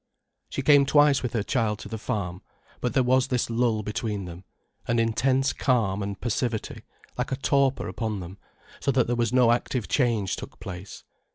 She came twice with her child to the farm, but there was this lull between them, an intense calm and passivity like a torpor upon them, so that there was no active change took place.